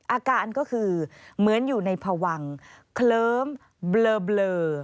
อาการก็คือเหมือนอยู่ในพวังเคลิ้มเบลอ